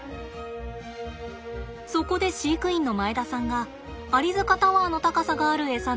そこで飼育員の前田さんがアリ塚タワーの高さがあるエサ台